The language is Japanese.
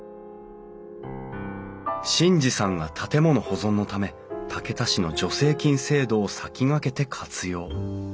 眞二さんが建物保存のため竹田市の助成金制度を先駆けて活用。